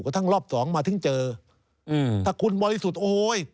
ก็ทั้งรอบสองมาที่จะเจอถ้าคุณบริสุทธิ์โอ้โฮย